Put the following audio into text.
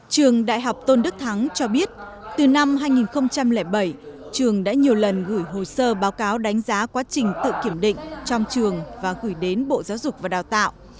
trường đại học tôn đức thắng cho biết từ năm hai nghìn bảy trường đã nhiều lần gửi hồ sơ báo cáo đánh giá quá trình tự kiểm định trong trường và gửi đến bộ giáo dục và đào tạo